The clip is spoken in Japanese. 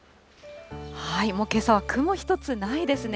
もう、けさは雲一つないですね。